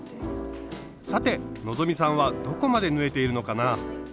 さて希さんはどこまで縫えているのかな？